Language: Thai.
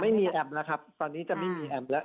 แอมแล้วครับตอนนี้จะไม่มีแอมแล้ว